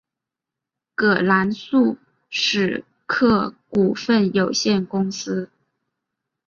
葛兰素史克股份有限公司。